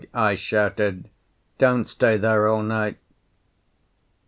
I shouted. "Don't stay there all night!"